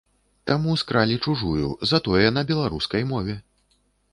Таму скралі чужую, затое на беларускай мове!